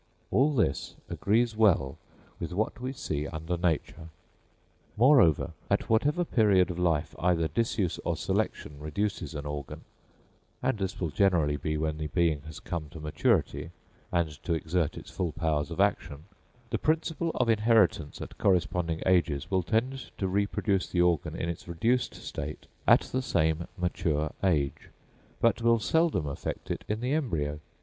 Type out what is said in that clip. All this agrees well with what we see under nature. Moreover, at whatever period of life either disuse or selection reduces an organ, and this will generally be when the being has come to maturity and to exert its full powers of action, the principle of inheritance at corresponding ages will tend to reproduce the organ in its reduced state at the same mature age, but will seldom affect it in the embryo.